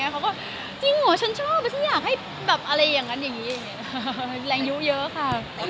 เขาก็จริงเหรอฉันชอบแล้วฉันอยากให้แบบอะไรอย่างนั้นอย่างนี้แรงยุเยอะค่ะ